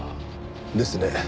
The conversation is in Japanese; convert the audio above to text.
ですね。